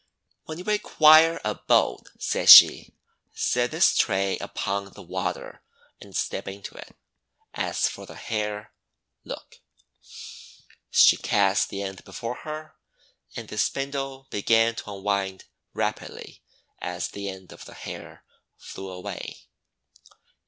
4 When you require a boat," said she, "set this tray upon the water and step into it. As for the hair, look!' She cast the end before her, and the spindle began to unwind rapidly as the end of the hair flew away.